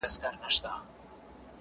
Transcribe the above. اوړی تېر سو لا غنم مو نه پخېږي.